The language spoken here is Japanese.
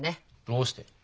どうして？